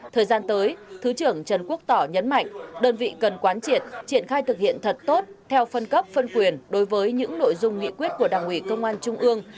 thời gian tới thứ trưởng trần quốc tỏ nhấn mạnh đơn vị cần quán triệt triển khai thực hiện thật tốt theo phân cấp phân quyền đối với những nội dung nghị quyết của đảng ủy công an trung ương